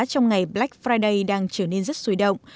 hôm nay black friday đang trở nên rất sôi động